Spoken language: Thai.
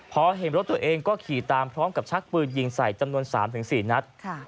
พอเห็นรถตัวเองก็ขี่ตามพร้อมกับชักปืนยิงใส่จำนวน๓๔นัด